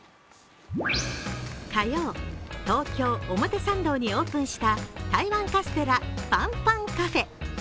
火曜、東京・表参道にオープンした台湾カステラ米米Ｃａｆｅ。